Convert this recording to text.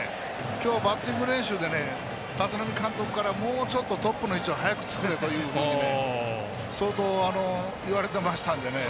今日、バッティング練習で立浪監督からもうちょっとトップの位置を早く作れと相当言われてましたので。